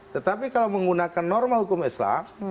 tetapi kalau menggunakan norma hukum islam